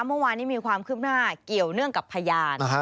เมื่อวานนี้มีความคืบหน้าเกี่ยวเนื่องกับพยาน